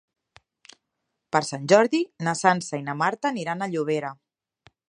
Per Sant Jordi na Sança i na Marta aniran a Llobera.